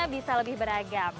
bisa lebih beragam